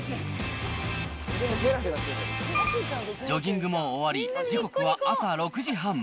ジョギングも終わり、時刻は朝６時半。